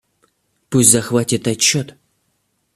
Пусть захватит отчет.